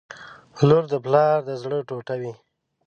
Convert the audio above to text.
• لور د پلار د زړه ټوټه وي.